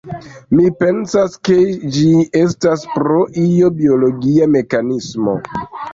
Mi pensas ke ĝi estas pro io biologia mekanismo